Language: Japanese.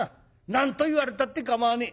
「何と言われたってかまわねえ。